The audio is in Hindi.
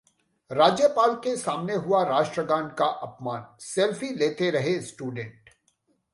राज्यपाल के सामने हुआ राष्ट्रगान का अपमान, सेल्फी लेते रहे स्टूडेंट